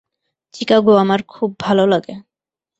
চিকাগো আমার খুব ভাল লাগে।